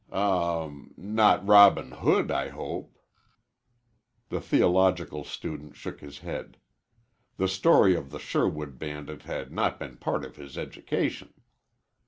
"Um, not Robin Hood, I hope." The theological student shook his head. The story of the Sherwood bandit had not been a part of his education.